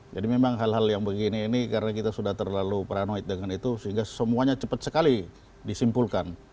jadi memang hal hal yang begini ini karena kita sudah terlalu paranoid dengan itu sehingga semuanya cepat sekali disimpulkan